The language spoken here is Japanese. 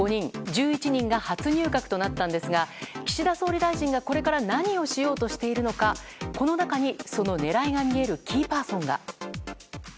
１１人が初入閣となったんですが岸田総理大臣がこれから何をしようとしているのかこの中に、その狙いが見えるキーパーソンが。